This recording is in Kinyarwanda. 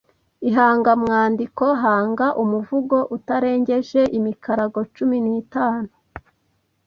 Ihangamwandiko Hanga umuvugo utarengeje imikarago cumi n’itanu